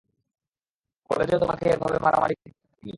কলেজেও তোমাকে এভাবে মারামারি করতে দেখিনি।